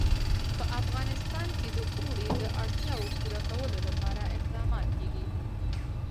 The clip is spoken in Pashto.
په افغانستان کې د اوړي د اړتیاوو پوره کولو لپاره اقدامات کېږي.